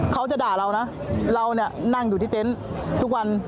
เขาจะด่าเรานะเรานั่งอยู่ที่เต้นทุกวัน